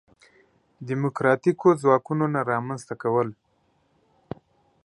دیموکراتیکو ځواکونو نه رامنځته کول.